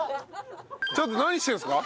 ちょっと何してるんですか？